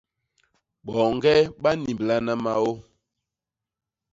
Boñge ba nnimblana maô.